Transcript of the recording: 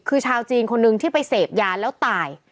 คือชาวจีนคนหนึ่งที่ไปเสพยาแล้วตาย